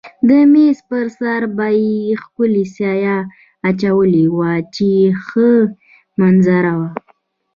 د مېز پر سر به یې ښکلې سایه اچولې وه چې ښه منظر و.